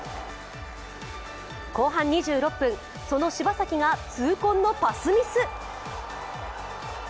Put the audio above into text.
後半２６分、その柴崎が痛恨のパスミス。